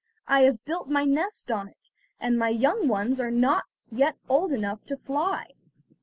I have built my nest on it, and my young ones are not yet old enough to fly."